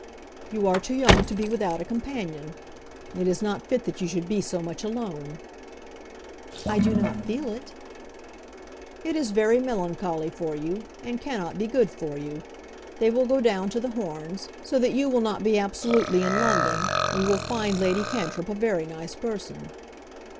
"You are too young to be without a companion. It is not fit that you should be so much alone." "I do not feel it." "It is very melancholy for you, and cannot be good for you. They will go down to The Horns, so that you will not be absolutely in London, and you will find Lady Cantrip a very nice person."